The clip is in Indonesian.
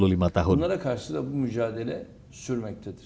dan kami juga menyebutkan agama kita